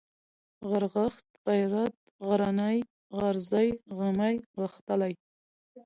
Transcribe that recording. غرغښت ، غيرت ، غرنى ، غرزی ، غمی ، غښتلی